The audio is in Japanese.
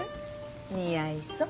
似合いそう。